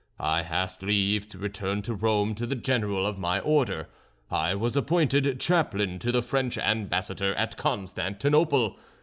I asked leave to return to Rome to the General of my Order. I was appointed chaplain to the French Ambassador at Constantinople.